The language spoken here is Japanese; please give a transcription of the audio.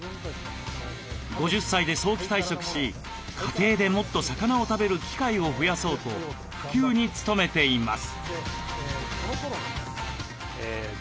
５０歳で早期退職し家庭でもっと魚を食べる機会を増やそうと普及に努めています。